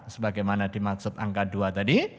sebagaimana dimaksud angka dua tadi